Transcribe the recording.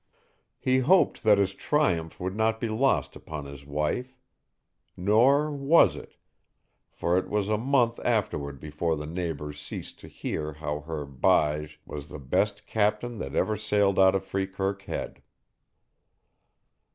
He hoped that his triumph would not be lost upon his wife. Nor was it, for it was a month afterward before the neighbors ceased to hear how her Bige was the best captain that ever sailed out of Freekirk Head.